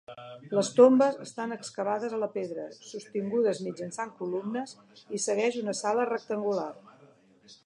Les tombes estan excavades a la pedra, sostingudes mitjançant columnes i segueix una sala rectangular.